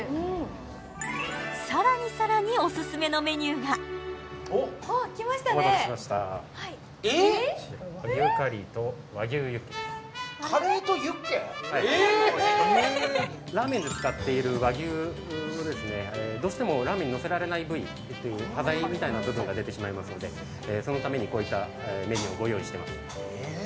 さらにさらにオススメのメニューが来ましたねお待たせしましたラーメンで使っている和牛ですねどうしてもラーメンにのせられない部位という端材みたいな部分が出てしまいますのでそのためにこういったメニューをご用意してますえ